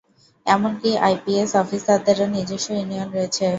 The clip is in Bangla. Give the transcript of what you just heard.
এমনকি আইপিএস অফিসারদেরও নিজস্ব ইউনিয়ন রয়েছে।